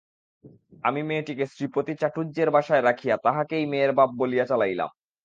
আমি মেয়েটিকে শ্রীপতি চাটুজ্যের বাসায় রাখিয়া তাহাকেই মেয়ের বাপ বলিয়া চালাইলাম।